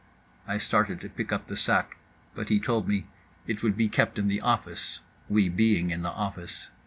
_" I started to pick up the sac, but he told me it would be kept in the office (we being in the office).